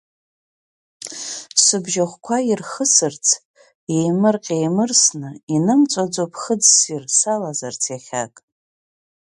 Сыбжьы ахәқәа ирхысырц еимырҟьа-еимырсны, инымҵәаӡо аԥхыӡссир салазарц иахьак!